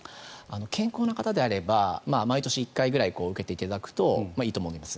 健康な方であれば毎年１回ぐらい受けていただくといいと思います。